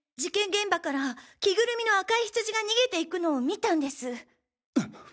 現場から着ぐるみの赤いヒツジが逃げていくのを見たんです。